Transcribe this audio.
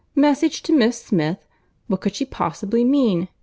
—message to Miss Smith!—What could she possibly mean!"